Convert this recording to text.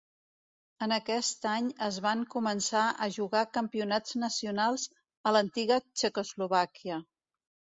En aquest any es van començar a jugar campionats nacionals a l'antiga Txecoslovàquia.